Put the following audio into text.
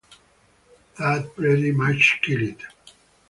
That pretty much killed it.